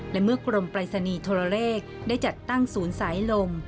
และเมื่อกรมปรายศนีย์โทรเลขได้จัดตั้งศูนย์สายลม